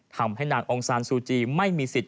ทำให้นางองซานซูจีไม่มีสิทธิ